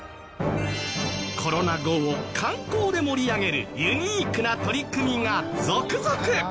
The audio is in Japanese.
コロナ後を観光で盛り上げるユニークな取り組みが続々。